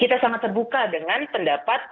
kita sangat terbuka dengan pendapat